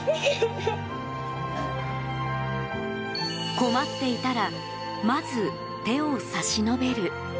困っていたらまず手を差し伸べる。